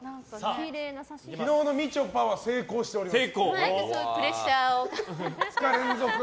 昨日、みちょぱは成功しています。